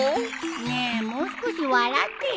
ねえもう少し笑ってよ。